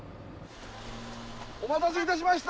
お待たせいたしました。